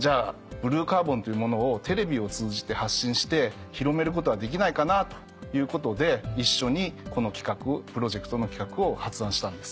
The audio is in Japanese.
ブルーカーボンというものをテレビを通じて発信して広めることはできないかなということで一緒にプロジェクトの企画を発案したんです。